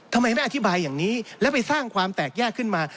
ทำไมไม่อธิบายอย่างนี้แล้วไปสร้างความแตกแยกขึ้นมา